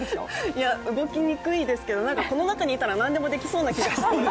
いや、動きにくいですけど、なんかこの中にいたら何でもできそうな気がして。